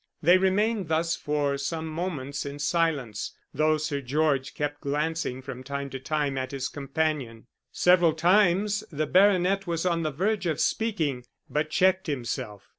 They remained thus for some moments in silence, though Sir George kept glancing from time to time at his companion. Several times the baronet was on the verge of speaking, but checked himself.